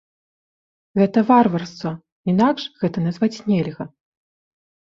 Гэта варварства, інакш гэта назваць нельга!